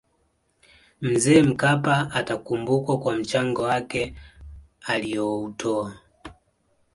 mzee mkapa atakumbukwa kwa mchango wake aliyoutoa